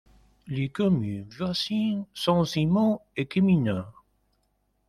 Les communes voisines sont Simo et Keminmaa.